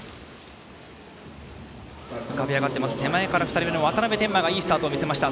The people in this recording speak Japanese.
浮かび上がってまず手前から２人目の渡邊天馬がいいスタートを見せました。